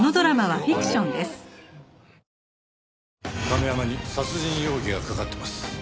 亀山に殺人容疑がかかってます。